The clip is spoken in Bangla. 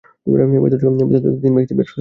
ভেতর থেকে তিন ব্যক্তি বের হয়।